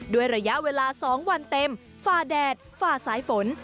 ด้วยระยะเวลา๒วันเต็มฝ่าแดดฝ่าสายฝน